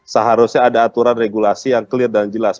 seharusnya ada aturan regulasi yang clear dan jelas